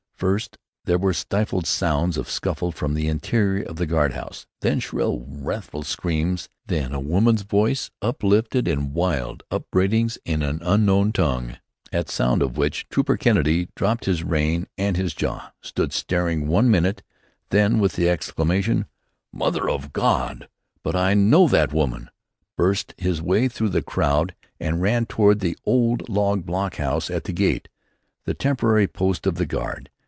First there were stifled sounds of scuffle from the interior of the guard house; then shrill, wrathful screams; then a woman's voice unlifted in wild upbraidings in an unknown tongue, at sound of which Trooper Kennedy dropped his rein and his jaw, stood staring one minute; then, with the exclamation: "Mother of God, but I know that woman!" burst his way through the crowd and ran toward the old log blockhouse at the gate, the temporary post of the guard.